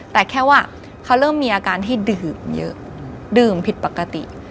แต่แค่ว่าเขาเริ่มมีอาการที่ดื่มเยอะดื่มผิดปกติ